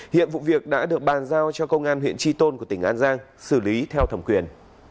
hiện vụ việc đã được bàn giao cho công an huyện tri tôn của tỉnh an giang xử lý theo thẩm quyền